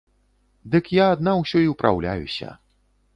Дык я адна ўсё і ўпраўляюся.